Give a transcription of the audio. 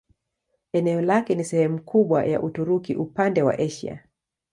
Eneo lake ni sehemu kubwa ya Uturuki upande wa Asia.